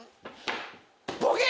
ボケ！